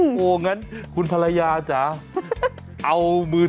อยู่นี่หุ่นใดมาเพียบเลย